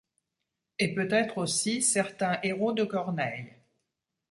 Et peut-être aussi certains héros de Corneille.